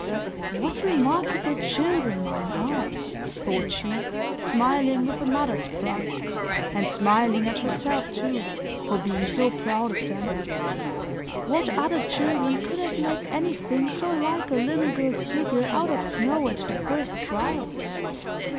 "What remarkable children mine are!" thought she, smiling with a mother's pride; and, smiling at herself, too, for being so proud of them. "What other children could have made anything so like a little girl's figure out of snow at the first trial?